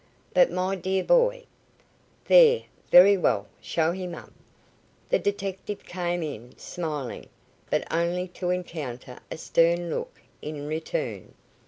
"But my dear boy " "There; very well. Show him up." The detective came in, smiling, but only to encounter a stern look in return.